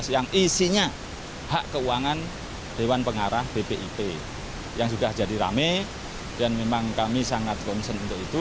yang isinya hak keuangan dewan pengarah bpip yang sudah jadi rame dan memang kami sangat concern untuk itu